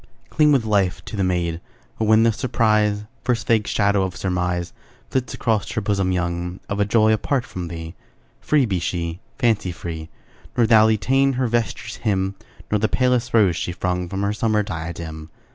Cling with life to the maid; But when the surprise, First vague shadow of surmise Flits across her bosom young, Of a joy apart from thee, Free be she, fancy free; Nor thou detain her vesture's hem, Nor the palest rose she flung From her summer diadem.